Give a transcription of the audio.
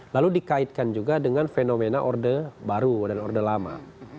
lalu dikaitkan juga dengan fenomena orde baru dan orde lama